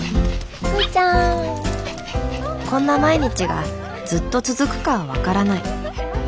こんな毎日がずっと続くかは分からない。